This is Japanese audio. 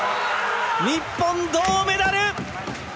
日本、銅メダル。